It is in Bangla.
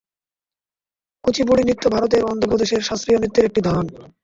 কুচিপুড়ি নৃত্য ভারতের অন্ধ্রপ্রদেশের শাস্ত্রীয় নৃত্যের একটি ধরন।